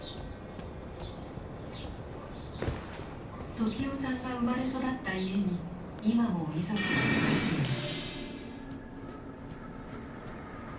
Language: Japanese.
時雄さんが生まれ育った家に今も遺族は暮らしています。